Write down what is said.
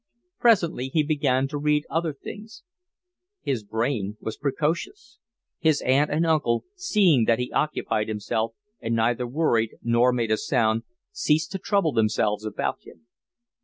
Presently he began to read other things. His brain was precocious. His uncle and aunt, seeing that he occupied himself and neither worried nor made a noise, ceased to trouble themselves about him.